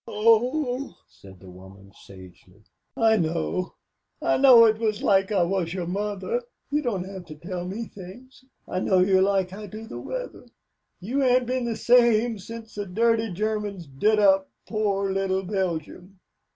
"Oh," said the woman, sagely, "I know. I know it like I wuz your mother. You don't have to tell me things. I know you like I do the weather. You ain't been the same since the dirty Germans did up poor little Belgium.